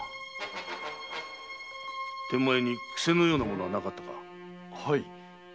天満屋に癖のようなものはなかったか？